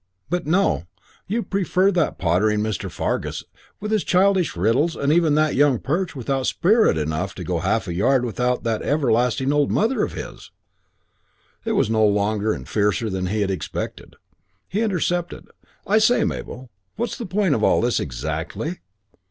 But, no. You prefer that pottering Mr. Fargus with his childish riddles and even that young Perch without spirit enough to go half a yard without that everlasting old mother of his " It was longer and fiercer than he had expected. He intercepted. "I say, Mabel, what's the point of all this, exactly?"